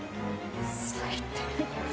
最低。